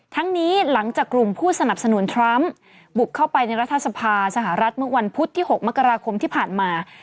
ทั้งนี้หลังจากกลุ่มผู้สนับสนุนทรัมป์บุกเข้าไปในรัฐสภาสหรัฐเมื่อวันพุธที่๖มกราคมที่ผ่านมา